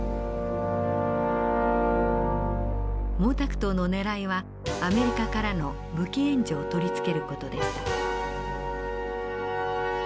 毛沢東のねらいはアメリカからの武器援助を取り付ける事でした。